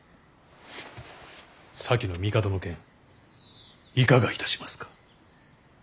先の帝の件いかがいたしますか。